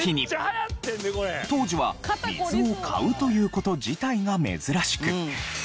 当時は水を買うという事自体が珍しく。